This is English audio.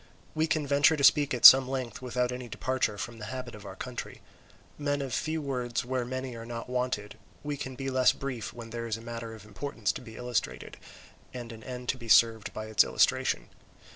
We can venture to speak at some length without any departure from the habit of our country. Men of few words where many are not wanted, we can be less brief when there is a matter of importance to be illustrated and an end to be served by its illustration.